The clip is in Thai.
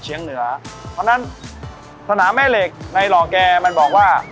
เหนือเพราะฉะนั้นสนามแม่เหล็กในหล่อแกมันบอกว่า